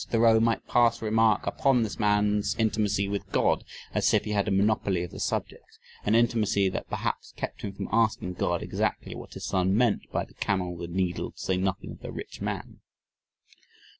Thoreau might pass a remark upon this man's intimacy with God "as if he had a monopoly of the subject" an intimacy that perhaps kept him from asking God exactly what his Son meant by the "camel," the "needle" to say nothing of the "rich man."